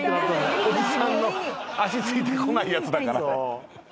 おじさんの足ついてこないやつだから。